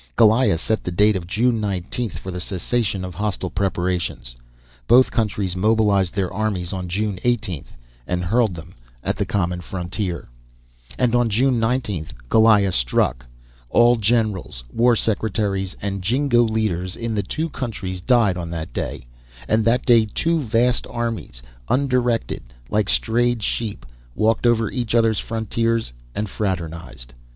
Goliah set the date of June 19 for the cessation of hostile preparations. Both countries mobilized their armies on June 18, and hurled them at the common frontier. And on June 19, Goliah struck. All generals, war secretaries, and jingo leaders in the two countries died on that day; and that day two vast armies, undirected, like strayed sheep, walked over each other's frontiers and fraternized.